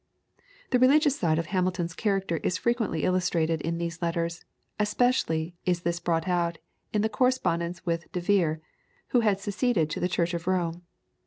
The religious side of Hamilton's character is frequently illustrated in these letters; especially is this brought out in the correspondence with De Vere, who had seceded to the Church of Rome.